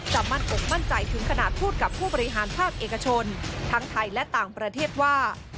มั่นอกมั่นใจถึงขนาดพูดกับผู้บริหารภาคเอกชนทั้งไทยและต่างประเทศว่า